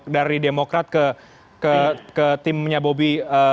dari demokrat ke timnya bobi